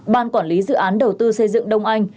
ban quản lý dự án đầu tư xây dựng đông anh